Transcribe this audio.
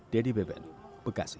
dedy beben bekasi